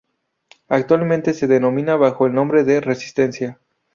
Actualmente se denominan bajo el nombre de "Resistencia".